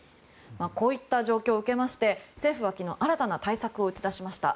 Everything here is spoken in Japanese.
こういった状況を受けまして政府は昨日新たな対策を打ち出しました。